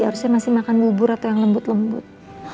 harusnya masih makan bubur atau yang lembut lembut